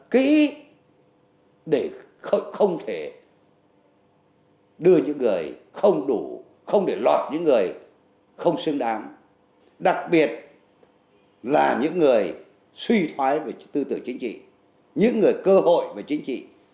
không đủ không để lọt những người không xứng đáng đặc biệt là những người suy thoái về tư tưởng chính trị những người cơ hội về chính trị